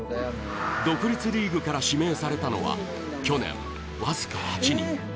独立リーグから指名されたのは、去年、僅か８人。